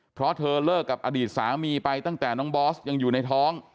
เพราะเธอเลิกกับอดีตสามีไปตั้งแต่น้องบอสยังอยู่ในท้อง